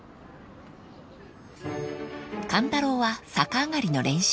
［勘太郎は逆上がりの練習］